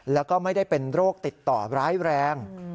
แล้วก็ไม่ได้เป็นโรคติดต่อร้ายแรง